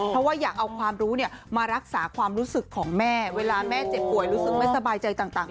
เพราะว่าอยากเอาความรู้มารักษาความรู้สึกของแม่เวลาแม่เจ็บป่วยรู้สึกไม่สบายใจต่าง